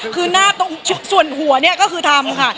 คือหน้าตรงส่วนหัวเนี่ยก็คือทำค่ะ